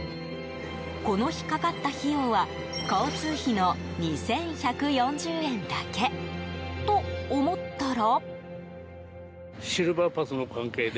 この日かかった費用は交通費の２１４０円だけ。と、思ったら。